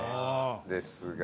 ですが